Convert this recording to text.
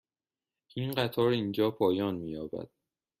این قطار اینجا پایان می یابد.